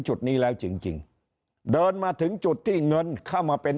จุดนี้แล้วจริงจริงเดินมาถึงจุดที่เงินเข้ามาเป็น